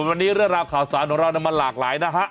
วันนี้เรื่องราวข่าวสารของเรามันหลากหลายนะฮะ